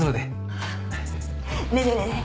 ねえねえねえねえ。